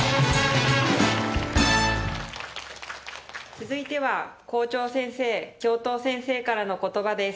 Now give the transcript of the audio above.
続いては校長先生、教頭先生からの言葉です。